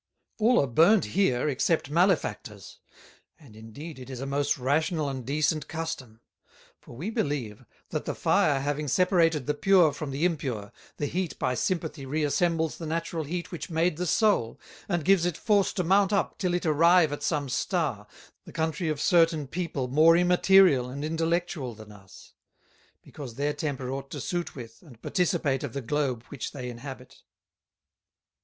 "All are Burnt here, except Malefactors: And, indeed, it is a most rational and decent Custom: For we believe, that the Fire having separated the pure from the impure, the Heat by Sympathy reassembles the natural Heat which made the Soul, and gives it force to mount up till it arrive at some Star, the Country of certain people more immaterial and intellectual than us; because their Temper ought to suit with, and participate of the Globe which they inhabit.